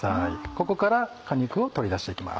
ここから果肉を取り出していきます。